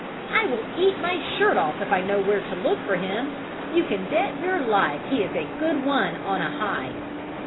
"I will eat my shirt off if I know where to look for him! You can bet your life he is a good one on a hide."